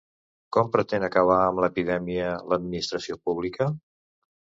Com pretén acabar amb l'epidèmia, l'administració pública?